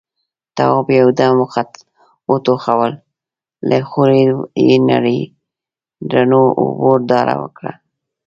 تواب يو دم وټوخل، له خولې يې نريو رڼو اوبو داره وکړه.